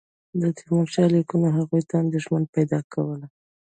د تیمورشاه لیکونو هغوی ته اندېښنه پیدا کوله.